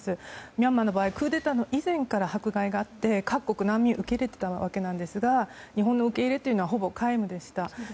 ミャンマーの場合はクーデターの以前から迫害があって各国、難民受け入れていたわけですが日本の受け入れというのはほぼ皆無でした。